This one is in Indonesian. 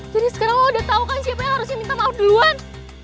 jadi sekarang lo udah tau kan siapa yang harusnya minta maaf duluan